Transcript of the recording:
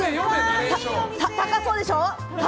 高そうでしょ？